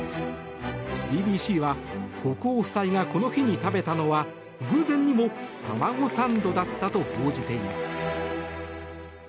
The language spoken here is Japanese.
ＢＢＣは国王夫妻がこの日に食べたのは偶然にも卵サンドだったと報じています。